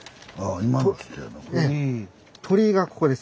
鳥居がここです。